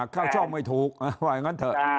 เข้าช่องไม่ถูกว่าอย่างนั้นเถอะ